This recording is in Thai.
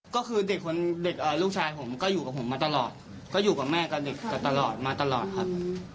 ก็คือเด็กลูกชายผมก็อยู่กับผมมาตลอดก็อยู่กับแม่กับเด็กตลอดมาตลอดครับ